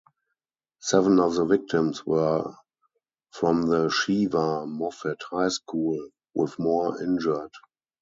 Seven of the victims were from the Shevah Mofet high school, with more injured.